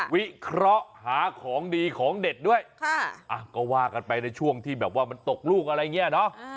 วิเคราะห์หาของดีของเด็ดด้วยก็ว่ากันไปในช่วงที่แบบว่ามันตกลูกอะไรอย่างนี้เนาะ